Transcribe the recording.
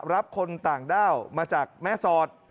รับคนต่างด้าวมาจากแม่สอด